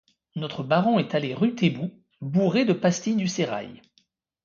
Notre baron est allé rue Taitbout, bourré de pastilles du sérail.